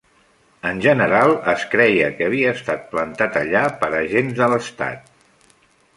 En general es creia que havia estat plantat allà per agents de l'Estat.